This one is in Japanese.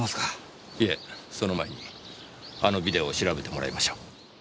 いえその前にあのビデオを調べてもらいましょう。